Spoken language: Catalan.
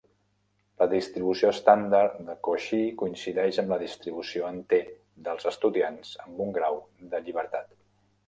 La distribució estàndard de Cauchy coincideix amb la distribució en "t" dels estudiants amb un grau de llibertat.